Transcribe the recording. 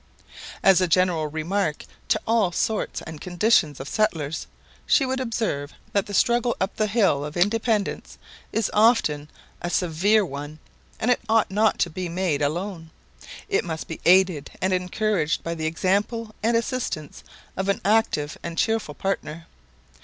As a general remark to all sorts and conditions of settlers, she would observe, that the struggle up the hill of Independence is often a severe one, and it ought not to be made alone. It must be aided and encouraged by the example and assistance of an active and cheerful partner.